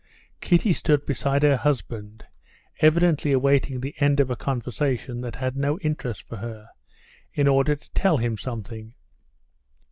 Kitty stood beside her husband, evidently awaiting the end of a conversation that had no interest for her, in order to tell him something.